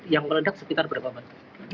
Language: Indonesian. yang meledak sekitar berapa pak